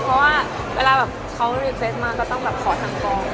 เพราะว่าเวลาแบบเขารีเฟสมาก็ต้องแบบขอทางกอง